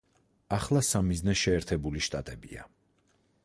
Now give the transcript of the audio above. ახლა სამიზნე შეერთებული შტატებია.